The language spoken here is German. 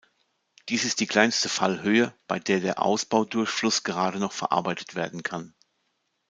Dies ist die kleinste Fallhöhe, bei der der Ausbaudurchfluss gerade noch verarbeitet werden kann.